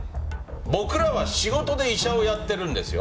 僕らは仕事で医者をやってるんですよ。